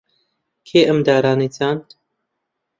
کێ ئەم دارانەی چاند؟